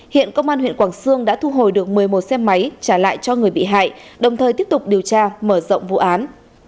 hiện công an huyện quảng sương đã thu hồi được một mươi một xe máy trả lại cho người bị hại đồng thời tiếp tục điều tra mở rộng vụ án